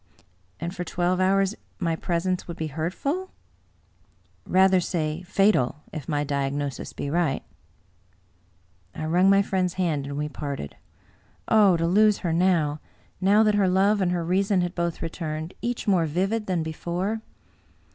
" And for twelve hours my presence would be hurtful ?"" Rather say fatal, if my diagnosis be right." I wrung my friend's hand, and we parted. Oh, to lose her now; now that her love and. her reason had both returned, each more vivid than before!